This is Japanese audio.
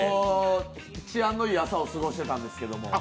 治安のいい朝を過ごしていたんですけど。